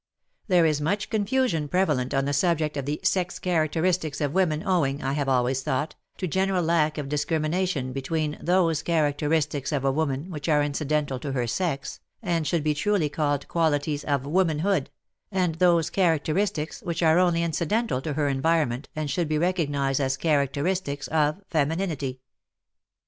There is much confusion prevalent on the subject of the sex characteristics of women, owing, I have always thought, to general lack of discrimination between those characteristics of a woman which are incidental to her sex and should be truly called qualities of womanhood, and those characteristics which are only incidental to her environment and should be recognized as characteristics of femininity.